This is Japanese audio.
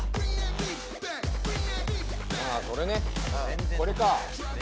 ああこれねこれか。